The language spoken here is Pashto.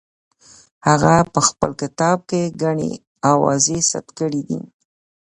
هغه په خپل کتاب کې ګڼې اوازې ثبت کړې دي.